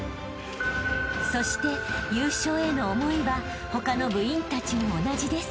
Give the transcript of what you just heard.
［そして優勝への思いは他の部員たちも同じです］